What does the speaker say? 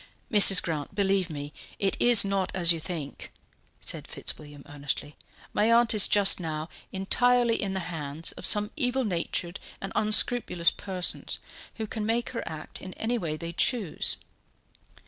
"Mrs. Grant, believe me, it is not as you think," said Fitzwilliam earnestly. "My aunt is just now entirely in the hands of some evil natured and unscrupulous persons, who can make her act in any way they choose."